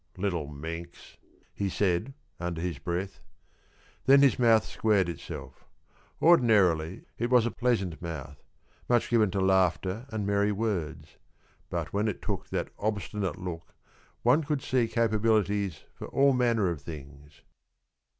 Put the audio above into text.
"Little minx," he said under his breath. Then his mouth squared itself; ordinarily it was a pleasant mouth, much given to laughter and merry words; but when it took that obstinate look, one could see capabilities for all manner of things.